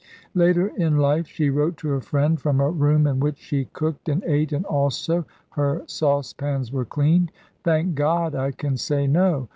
Later in life, she wrote to a friend from a room in which she cooked, and ate, and also her saucepans were cleaned: "Thank God, I can say No.